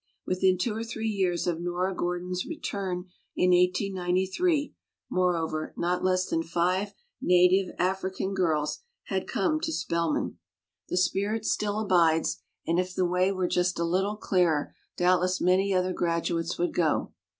With in two or three years of Nora Gordon's re turn in 1893, moreover, not less than five na tive African girls had come to Spelman. The 52 WOMEN OF ACHIEVEMENT spirit still abides, and if the way were just a little clearer doubtless many other gradu ates would go.